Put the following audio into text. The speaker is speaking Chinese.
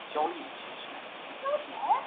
共制造了五架试验样机。